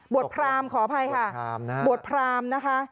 พรามขออภัยค่ะบวชพรามนะคะ